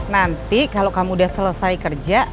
nanti kalau kamu sudah selesai kerja